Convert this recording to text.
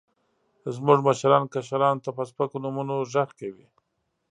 زموږ مشران، کشرانو ته په سپکو نومونو غږ کوي.